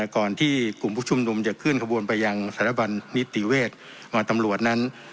ก่อนที่กลุ่มผู้ชุมดุมจะขึ้นขบวนไปยังสารบรรณมิตรีเวศหมอตำรวจนั้น